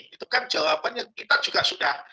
itu kan jawabannya kita juga sudah